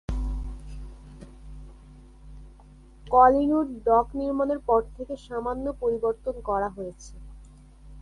Collingwood dock নির্মাণের পর থেকে সামান্য পরিবর্তন করা হয়েছে।